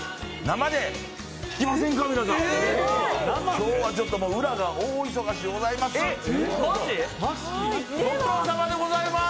今日は裏が大忙しでございます。